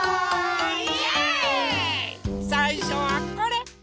さいしょはこれ。